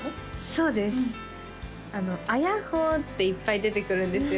そうですあの「あやっほー」っていっぱい出てくるんですよ